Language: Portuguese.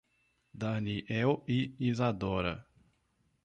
Daniel e Isadora